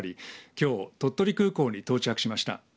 きょう鳥取空港に到着しました。